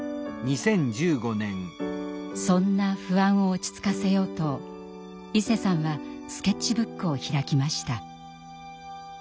そんな不安を落ち着かせようといせさんはスケッチブックを開きました。